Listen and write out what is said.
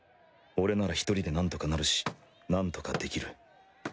俺なら１人でなんとかなるしなんとかできる。